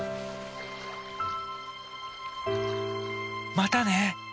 またね！